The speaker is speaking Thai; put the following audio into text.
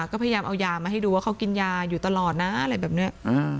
ก็พยายามเอายามาให้ดูว่าเขากินยาอยู่ตลอดนะอะไรแบบนี้